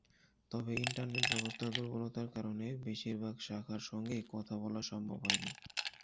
তবে ইন্টারনেট-ব্যবস্থার দুর্বলতার কারণে বেশির ভাগ শাখার সঙ্গেই কথা বলা সম্ভব হয়নি।